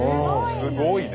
すごいね。